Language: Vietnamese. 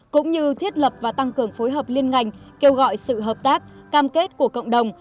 cũng như thiết lập và tăng cường phối hợp liên ngành kêu gọi sự hợp tác cam kết của cộng đồng